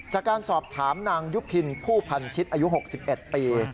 จากการสอบถามนางยุพินผู้พันชิตอายุ๖๑ปี